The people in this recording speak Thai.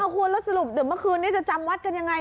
ควรแล้วสรุปเมื่อคืนนี้จะจำวัดกันยังไง